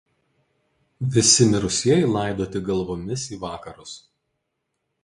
Visi mirusieji laidoti galvomis į vakarus.